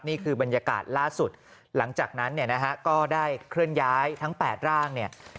นี่คือบรรยากาศล่าสุดหลังจากนั้นก็ได้เคลื่อนย้ายทั้ง๘ร่าง